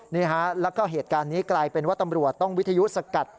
นี่ฮะแล้วก็เหตุการณ์นี้กลายเป็นว่าตำรวจต้องวิทยุสกัด